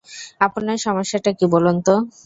আপনার সমস্যাটা কী বলুন তো?